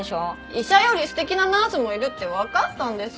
医者より素敵なナースもいるってわかったんです。